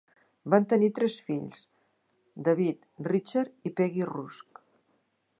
Van tenir tres fills: David, Richard i Peggy Rusk.